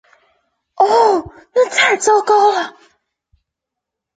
哦，那太糟糕了！